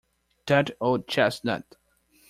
That old chestnut.